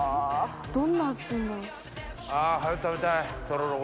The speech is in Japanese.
どんな味するんだろう？